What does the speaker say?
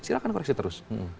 silahkan koreksi terus